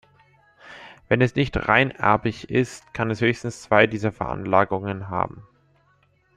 Wenn es nicht reinerbig ist, kann es höchstens zwei dieser Veranlagungen haben.